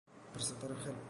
Presentaron Help!